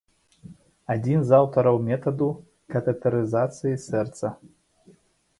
Адзін з аўтараў метаду катэтарызацыі сэрца.